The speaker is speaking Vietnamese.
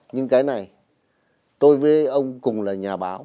nhưng cái này tôi với ông cùng là nhà báo